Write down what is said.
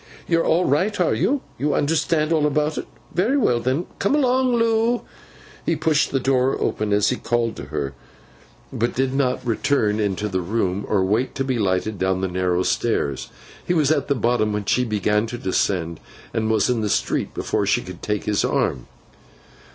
You're all right, are you? You understand all about it? Very well then. Come along, Loo!' He pushed the door open as he called to her, but did not return into the room, or wait to be lighted down the narrow stairs. He was at the bottom when she began to descend, and was in the street before she could take his arm.